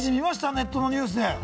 ネットのニュースで。